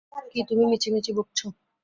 কী তুমি মিছিমিছি বকছ।